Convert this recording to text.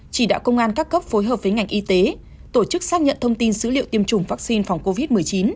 chỉ đạo công an các cấp phối hợp với ngành y tế tổ chức xác nhận thông tin dữ liệu tiêm chủng vaccine phòng covid một mươi chín